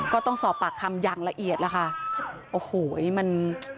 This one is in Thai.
ก็ต้องสอบปากคำอย่างละเอียดล่ะค่ะโอ้โหมัน